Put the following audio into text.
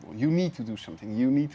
anda harus melakukan sesuatu